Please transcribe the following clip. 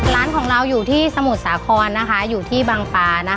ร้านของเราอยู่ที่สมุทรสาครอยู่ที่บางปลา